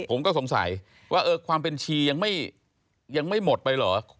ผมก็สงสัยว่าความเป็นชียังไม่หมดไปเหรอ